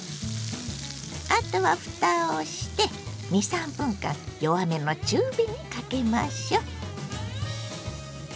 あとはふたをして２３分間弱めの中火にかけましょう。